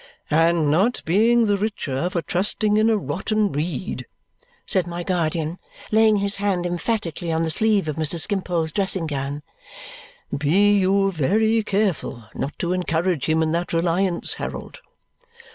"And not being the richer for trusting in a rotten reed," said my guardian, laying his hand emphatically on the sleeve of Mr. Skimpole's dressing gown, "be you very careful not to encourage him in that reliance, Harold."